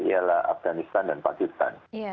ialah afghanistan dan pakistan